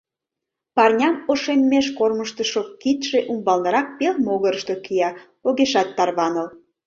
Парням ошеммеш кормыжтышо кидше умбалнырак пел могырышто кия, огешат тарваныл.